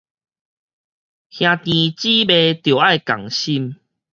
兄弟姊妹著愛仝心